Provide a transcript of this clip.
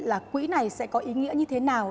là quỹ này sẽ có ý nghĩa như thế nào